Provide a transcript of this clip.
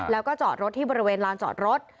แล้วก็จอดรถที่บริเวณลานจอดรถ